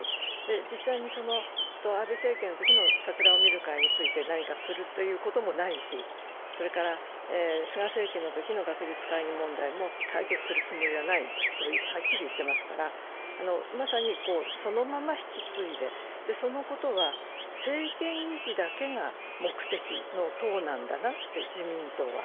実際に安倍政権のときの桜を見る会についても何かするということもないし、菅政権のときの学術会議問題も解決するつもりはないとはっきり言ってますから、まさにそのまま引き継いで、そのことは政権維持だけが目的の党なんだなと、自民党は。